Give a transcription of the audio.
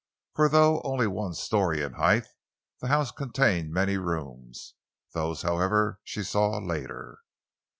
For though only one story in height, the house contained many rooms. Those, however, she saw later.